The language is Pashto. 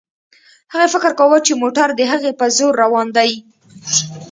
هغې فکر کاوه چې موټر د هغې په زور روان دی.